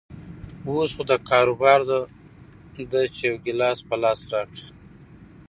اوس خو دکار بار ده چې يو ګيلاس په لاس راکړي.